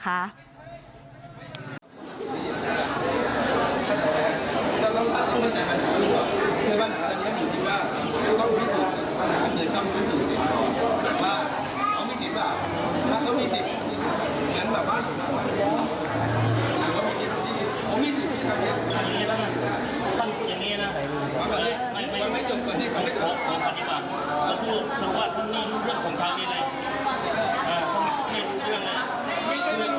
ถ้าเขามีสิบบาทถ้าเขามีสิบอย่างนั้นแบบบ้านสุดน้ำแหละ